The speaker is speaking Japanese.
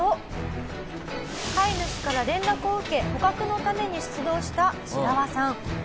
飼い主から連絡を受け捕獲のために出動したシラワさん。